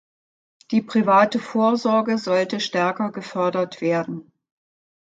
Die private Vorsorge sollte stärker gefördert werden.